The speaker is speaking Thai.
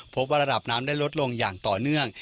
พบว่าระดับน้ำได้ลดลงอย่างต่อเนื่อง